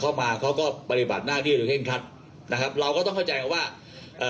มาเขาก็ปฏิบัติหน้าที่โดยเร่งคัดนะครับเราก็ต้องเข้าใจว่าเอ่อ